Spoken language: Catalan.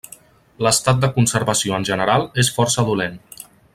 L'estat de conservació en general és força dolent.